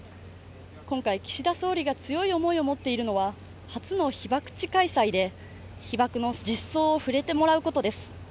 今回、岸田総理が強い思いを持っているのは初の被爆地開催で、被爆の実相に触れてもらうことです。